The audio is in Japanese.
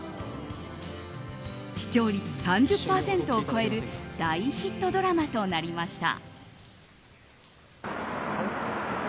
視聴率３０％を超える大ヒットドラマとなりました。